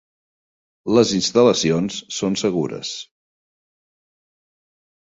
Les instal·lacions són segures.